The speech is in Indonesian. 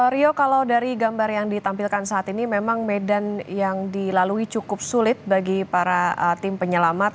rio kalau dari gambar yang ditampilkan saat ini memang medan yang dilalui cukup sulit bagi para tim penyelamat